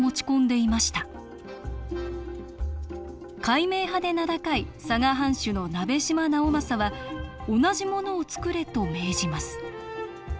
開明派で名高い佐賀藩主の鍋島直正は同じものを作れと命じます